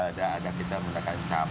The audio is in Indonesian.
ada anak kita menggunakan cap